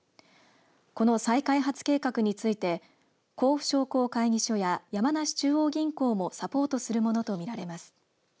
この再開発計画について甲府商工会議所や山梨中央銀行もサポートするものと見られます。